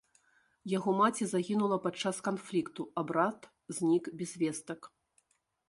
Яго маці загінула падчас канфлікту, а брат знік без вестак.